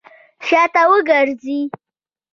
شاته وګرځئ!